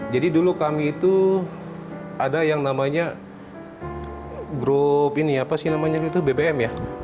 jadi dulu kami itu ada yang namanya grup ini apa sih namanya itu bbm ya